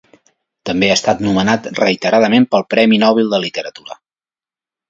També ha estat nomenat reiteradament pel premi Nobel de Literatura.